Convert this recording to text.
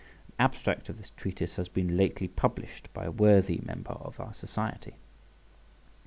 An abstract of this treatise has been lately published by a worthy member of our society.